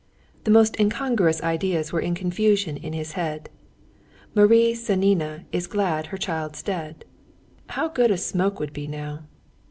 The most incongruous ideas were in confusion in his head. "Marie Sanina is glad her child's dead.... How good a smoke would be now!...